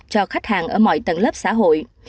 cho khách hàng ở mọi tầng lớp xã hội